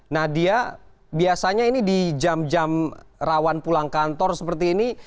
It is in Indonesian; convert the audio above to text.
nadia biasanya ini di jam jam rawan pulang kantor seperti ini